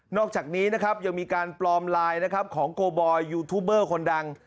อกจากนี้นะครับยังมีการปลอมไลน์นะครับของโกบอยยูทูบเบอร์คนดัง